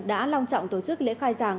đã long trọng tổ chức lễ khai giảng